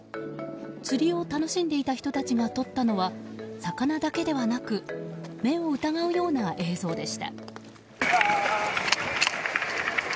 釣りを楽しんでいた人たちがとったのは、魚だけではなく目を疑うような映像でした。